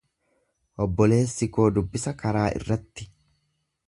Obboleessi koo dubbisa karaa irratti.